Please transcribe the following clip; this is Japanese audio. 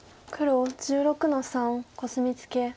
黒１６の三コスミツケ。